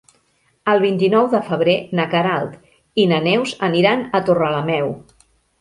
El vint-i-nou de febrer na Queralt i na Neus aniran a Torrelameu.